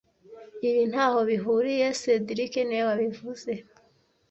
Ibi ntaho bihuriye cedric niwe wabivuze